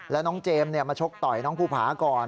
แล้วน้องเจมส์มาชกต่อยน้องภูผาก่อน